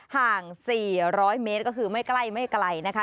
ห่าง๔๐๐เมตรก็คือไม่ใกล้ไม่ไกลนะคะ